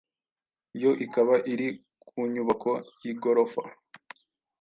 yo ikaba iri ku nyubako y’igorofa